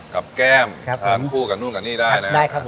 กลับแก้มครับผมทานคู่กับนู่นกับนี่ได้นะครับได้ครับผม